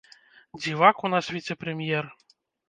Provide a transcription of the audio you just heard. Дзівак у нас у віцэ-прэм'ер!